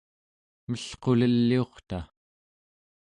melquleliurta